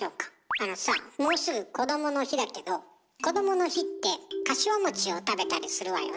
あのさあもうすぐこどもの日だけどこどもの日ってかしわを食べたりするわよね。